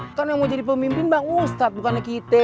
ustadz yang mau jadi pemimpin bang ustadz bukan kita